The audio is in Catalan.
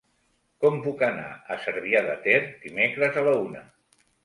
Com puc anar a Cervià de Ter dimecres a la una?